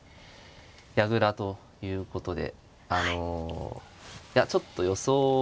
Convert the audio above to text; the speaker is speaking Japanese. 矢倉ということであのいやちょっと予想